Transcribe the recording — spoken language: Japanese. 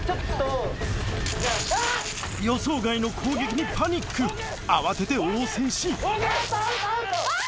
予想外の攻撃にパニック慌てて応戦しあぁ